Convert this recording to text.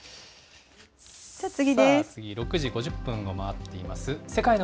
６時５０分を回っています。